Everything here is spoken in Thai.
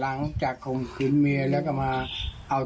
แล้วคุณพี่คุณพี่โดนเขาเข้ามา